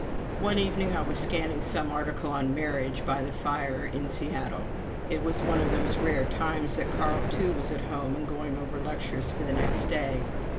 One evening I was scanning some article on marriage by the fire in Seattle it was one of those rare times that Carl too was at home and going over lectures for the next day.